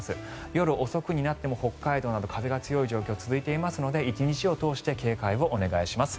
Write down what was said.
夜遅くになっても北海道など、風が強い状況が続いていますので１日を通して警戒をお願いします。